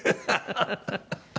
ハハハハ。